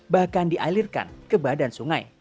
bahkan dialirkan ke badan sungai